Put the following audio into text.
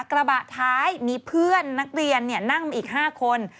กระบะท้ายมีเพื่อนนักเรียนนั่งมาอีก๕คน